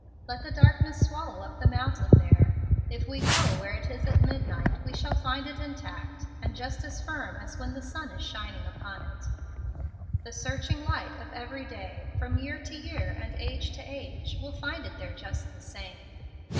Let the darkness swallow up the mountain there. If we go where it is at midnight, we shall find it intact, and just as firm as when the sun is shining upon it. The searching light of every day, from year to year and age to age, will find it there just the same.